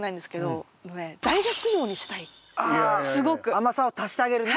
甘さを足してあげるね